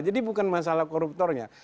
jadi bukan masalah koruptornya